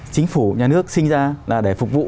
chính phủ nhà nước sinh ra là để phục vụ